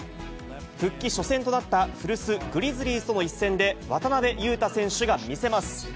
復帰初戦となった古巣、グリズリーズとの一戦で渡邊雄太選手が見せます。